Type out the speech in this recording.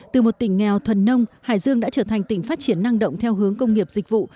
từ một tỉnh nghèo thuần nông hải dương đã trở thành tỉnh phát triển năng động theo hướng công nghiệp dịch vụ